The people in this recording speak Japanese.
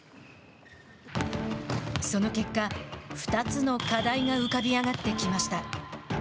その結果２つの課題が浮かび上がってきました。